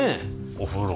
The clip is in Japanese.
お風呂。